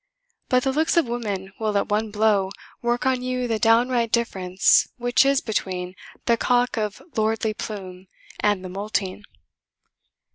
But the looks of women will at one blow work on you the downright difference which is between the cock of lordly plume and the moulting.